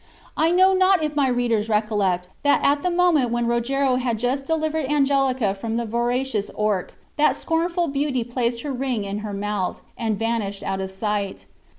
I know not if my readers recollect that at the moment when Rogero had just delivered Angelica from the voracious Orc that scornful beauty placed her ring in her mouth, and vanished out of sight.